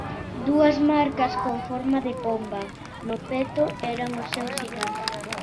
Dúas marcas, con forma de pomba no peto, eran o seu sinal.